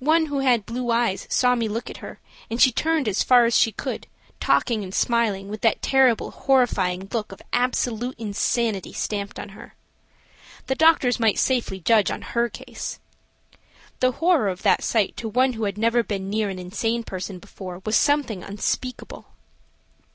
One who had blue eyes saw me look at her, and she turned as far as she could, talking and smiling, with that terrible, horrifying look of absolute insanity stamped on her. The doctors might safely judge on her case. The horror of that sight to one who had never been near an insane person before, was something unspeakable.